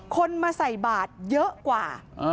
คนมาใส่บาทเยอะกว่า